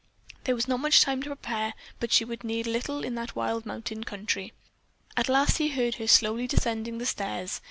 There was not much time to prepare, but she would need little in that wild mountain country. At last he heard her slowly descending the stairs.